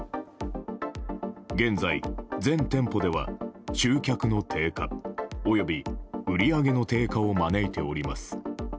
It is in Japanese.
現在、全店舗では集客の低下及び売り上げの低下を招いております。